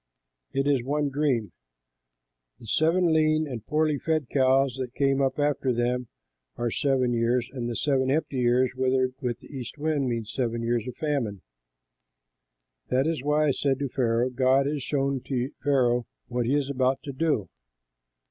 It is one dream. The seven lean and poorly fed cows that came up after them are seven years, and the seven empty ears withered with the east wind mean seven years of famine. That is why I said to Pharaoh, 'God has shown to Pharaoh what he is about to do.'